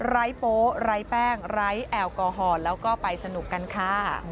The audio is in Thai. ไรโป๊ไร้แป้งไร้แอลกอฮอล์แล้วก็ไปสนุกกันค่ะ